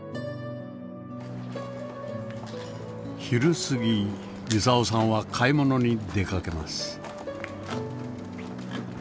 昼過ぎ操さんは買い物に出かけます。